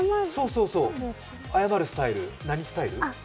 そうそう、謝るスタイル何スタイル？